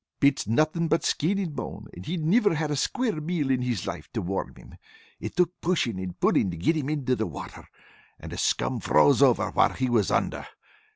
Pete's nothin' but skin and bone, and he niver had a square meal in his life to warm him. It took pushin' and pullin' to get him in the water, and a scum froze over while he was under.